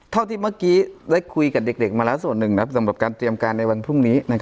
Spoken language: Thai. เท่าที่เมื่อกี้ได้คุยกับเด็กมาแล้วส่วนหนึ่งสำหรับการเตรียมการในวันพรุ่งนี้